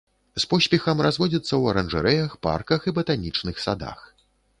З поспехам разводзіцца ў аранжарэях, парках і батанічных садах.